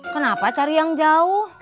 kenapa cari yang jauh